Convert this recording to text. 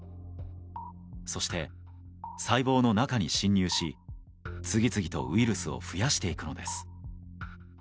そして、細胞の中に侵入し次々とウイルスを増やしていくのです。